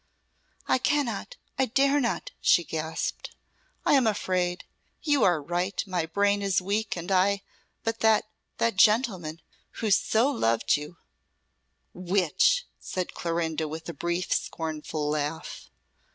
"I cannot I dare not!" she gasped. "I am afraid. You are right; my brain is weak, and I but that that gentleman who so loved you " "Which?" said Clorinda, with a brief scornful laugh.